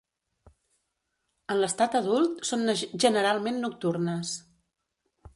En l'estat adult són generalment nocturnes.